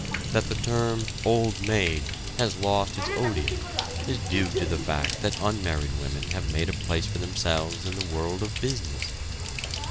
That the term "old maid" has lost its odium is due to the fact that unmarried women have made a place for themselves in the world of business.